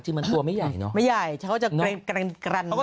อ๋อจริงเหรอพาไปกูอย่าว่าแต่กินหน่อยนะ